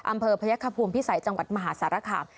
อำเภอพระยะขับภูมิภิสัยจังหวัดมหาศาสตร์ระข่าม